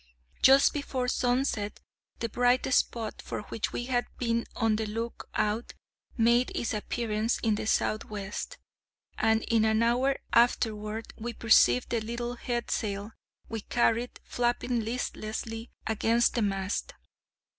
Just before sunset the bright spot for which we had been on the look out made its appearance in the southwest, and in an hour afterward we perceived the little headsail we carried flapping listlessly against the mast.